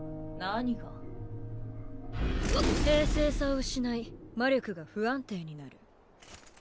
平静さを失い魔力が不安定になる。